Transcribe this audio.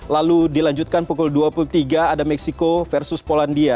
lalu dilanjutkan pukul dua puluh tiga ada meksiko versus polandia